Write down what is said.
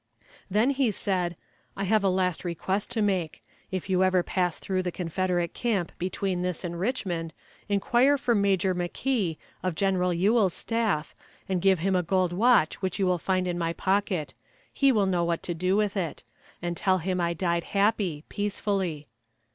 Then he said, "I have a last request to make. If you ever pass through the Confederate camp between this and Richmond inquire for Major McKee, of General Ewell's staff, and give him a gold watch which you will find in my pocket; he will know what to do with it; and tell him I died happy, peacefully."